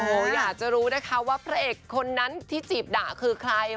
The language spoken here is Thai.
โอ้โหอยากจะรู้นะคะว่าพระเอกคนนั้นที่จีบด่าคือใคร